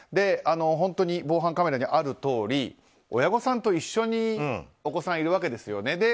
本当に防犯カメラにあるとおり親御さんと一緒にお子さんいるわけですよね。